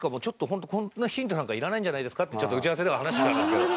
ホントこんなヒントなんかいらないんじゃないですかって打ち合わせでは話してたんですけど。